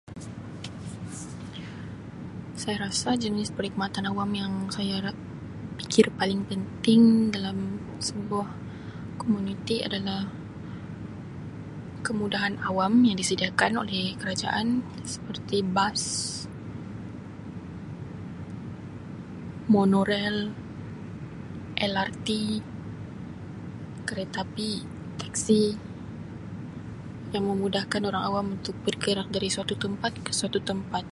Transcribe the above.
saya rasa jenis perkhidmatan awam yang saya pikir paling penting dalam sebuah komuniti adalah kemudahan awam yang disediakan oleh kerajaan seperti bas, monorail, LRT, keretapi, teksi yang memudahkan orang awam bergerak dari satu tempat ke suatu tempat.